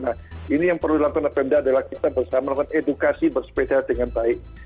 nah ini yang perlu dilakukan oleh pemda adalah kita bersama melakukan edukasi bersepeda dengan baik